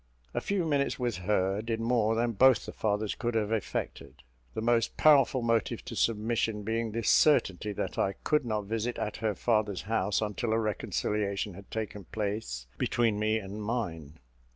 A few minutes with her, did more than both the fathers could have effected, the most powerful motive to submission being the certainty that I could not visit at her father's house until a reconciliation had taken place between me and mine.